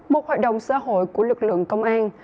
một hoạt động xã hội của lực lượng công an